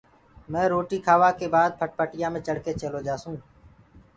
مي روٽيٚ کآوآ ڪي بآد ڦٽَڦٽِيآ مي چڙه ڪي چيلو جآسونٚ